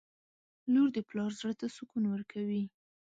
• لور د پلار زړه ته سکون ورکوي.